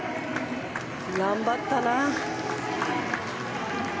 頑張ったな。